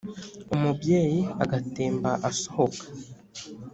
umubyeyi agatemba asohoka